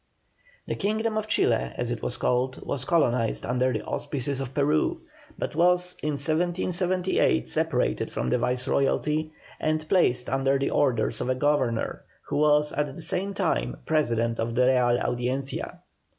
The kingdom of Chile, as it was called, was colonized under the auspices of Peru, but was, in 1778, separated from this Viceroyalty and placed under the orders of a governor, who was at the same time President of the Real Audiencia.